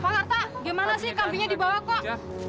pak harta gimana sih kambingnya dibawa kok